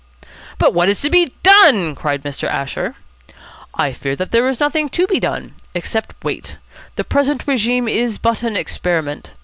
"But what is to be done?" cried Mr. Asher. "I fear that there is nothing to be done, except wait. The present régime is but an experiment.